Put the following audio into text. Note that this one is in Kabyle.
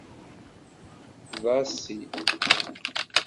Ḍasi.